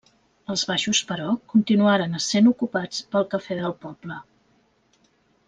Els baixos, però, continuaren essent ocupats pel cafè del poble.